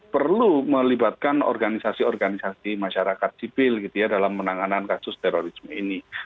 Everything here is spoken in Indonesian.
perlu melibatkan organisasi organisasi masyarakat sipil dalam menanganan kasus terorisme ini